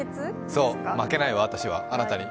そう、負けないわ、私、あなたに。